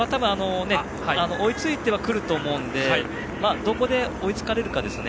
追いついてくると思うのでどこで追いつかれるかですよね。